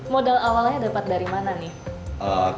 modal awalnya dapat dari mana nih